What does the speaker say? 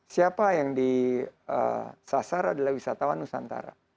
siapa yang disasar adalah wisatawan nusantara